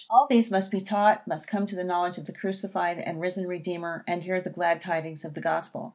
All these must be taught, must come to the knowledge of the crucified and risen Redeemer, and hear the glad tidings of the Gospel.